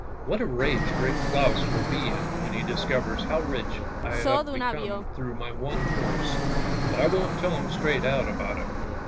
" What a rage Great Claus will be in when he discovers how rich I am become through my one horse, but I won't tell him straight out about it."